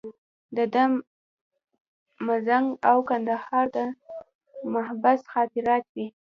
د ده مزنګ او کندهار د محبس خاطرات وې.